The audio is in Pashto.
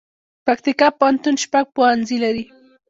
پکتیکا پوهنتون شپږ پوهنځي لري